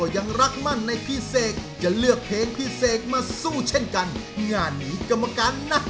ยากเย็นแค่ไหนไม่คำนึง